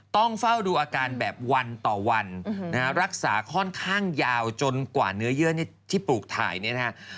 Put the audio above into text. ต้องเฝ้าดูอาการแบบวันต่อวันรักษาค่อนข้างยาวจนกว่าเนื้อเยื่อที่ปลูกถ่ายเนี่ยนะฮะ